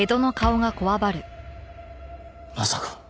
まさか。